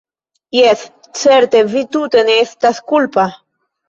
jes, certe, vi tute ne estas kulpa.